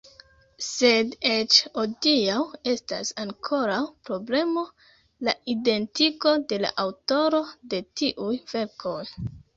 Sed eĉ hodiaŭ estas ankoraŭ problemo la identigo de la aŭtoro de tiuj verkoj.